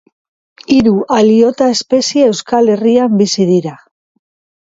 Hiru aliota espezie Euskal Herrian bizi dira.